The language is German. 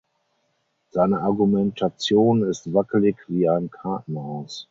Seine Argumentation ist wackelig wie ein Kartenhaus.